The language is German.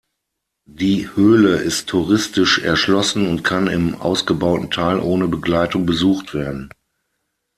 Die Höhle ist touristisch erschlossen und kann im ausgebauten Teil ohne Begleitung besucht werden.